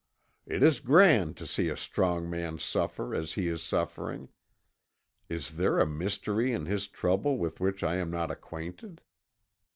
It is grand to see a strong man suffer as he is suffering. Is there a mystery in his trouble with which I am not acquainted?